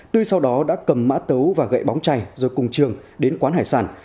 tươi sau đó đã cầm mã tấu và gậy bóng chay rồi cùng trường đến quán hải sản